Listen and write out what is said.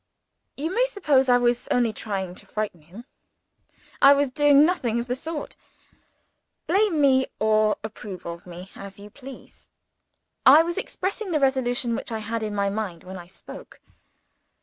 You may suppose I was only trying to frighten him. I was doing nothing of the sort. Blame me, or approve of me, as you please, I was expressing the resolution which I had in my mind when I spoke.